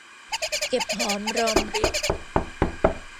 เก็บหอมรอมริบ